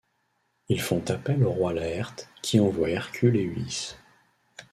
Ils font appel au roi Laerte, qui envoie Hercule et Ulysse.